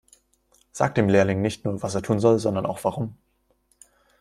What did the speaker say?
Sag dem Lehrling nicht nur, was er tun soll, sondern auch warum.